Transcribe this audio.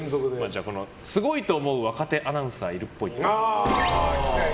すごいと思う若手アナウンサーいるっぽい。